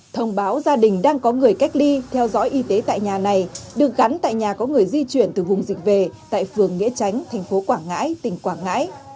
thông báo gia đình đang có người cách ly theo dõi y tế tại nhà này được gắn tại nhà có người di chuyển từ vùng dịch về tại phường nghĩa tránh thành phố quảng ngãi tỉnh quảng ngãi